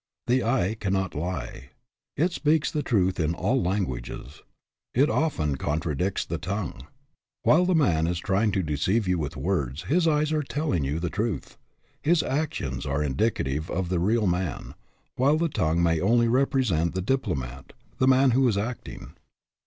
The eye cannot lie. It speaks the truth in all languages. It often contradicts the tongue. While the man is trying to de ceive you with words, his eyes are telling you the truth ; his actions are indicative of the real man, while the tongue may only represent the diplomat, the man who is acting.